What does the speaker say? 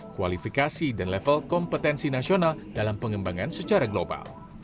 kualifikasi dan level kompetensi nasional dalam pengembangan secara global